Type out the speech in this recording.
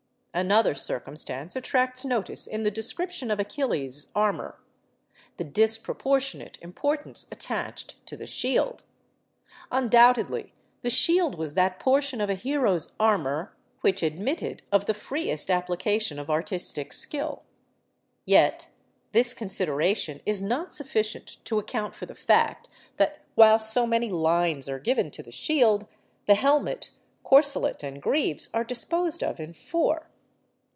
Another circumstance attracts notice in the description of Achilles' armour—the disproportionate importance attached to the shield. Undoubtedly, the shield was that portion of a hero's armour which admitted of the freest application of artistic skill. Yet this consideration is not sufficient to account for the fact, that while so many lines are given to the shield, the helmet, corselet, and greaves are disposed of in four.